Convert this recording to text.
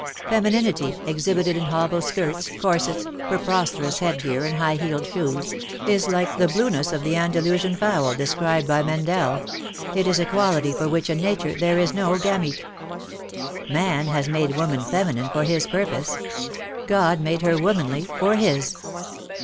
Femininity, exhibited in hobble skirts, corsets, preposterous headgear and high heeled shoes, is like the blueness of the Andalusian fowl described by Mendel, it is a quality for which in nature there is no gamete. Man has made V^ ormxi fe^ninine for his purpose ; God made her womanly for His.